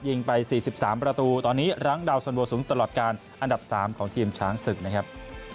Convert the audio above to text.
ยิงไป๔๓ประตูตอนนี้รั้งดาวสันโวสูงตลอดการอันดับ๓ของทีมช้างศึกนะครับ